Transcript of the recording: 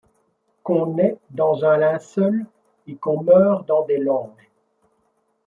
Qu’on naît dans un linceul et qu’on meurt dans des langes